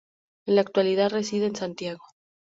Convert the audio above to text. En la actualidad reside en Santiago.